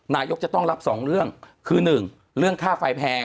นายกจะต้องรับ๒เรื่องคือ๑เรื่องค่าไฟแพง